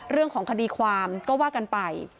เรื่องของคดีความก็ว่ากันไป